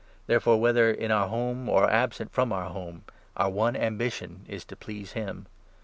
Therefore, 9 whether in our home or absent from our home, our one ambi tion is to please him.